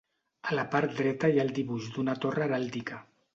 A la part dreta hi ha el dibuix d'una torre heràldica.